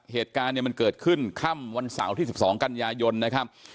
เหตุการณ์เนี่ยมันเกิดขึ้นค่ำวันเสาร์ที่๑๒กันยายนนะครับ